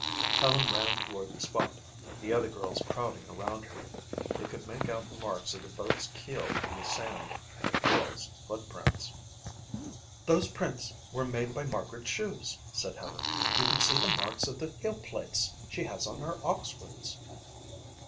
Helen ran toward the spot, the other girls crowding around her. They could make out the marks of the boat's keel in the sand and a girl's footprints. "Those prints were made by Margaret's shoes," said Helen. "You can see the marks of the heel plates she has on her oxfords."